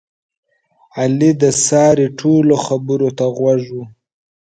علي د سارې ټولو خبرو ته غوږ و.